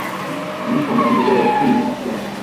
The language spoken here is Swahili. ndipo maendeleo ya uchumi na siasa